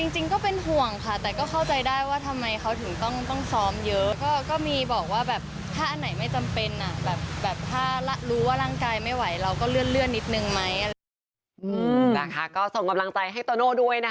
จริงก็เป็นห่วงค่ะแต่เข้าใจได้ว่าทำไมเขาถึงต้องช้อมเยอะ